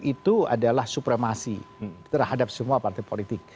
itu adalah supremasi terhadap semua partai politik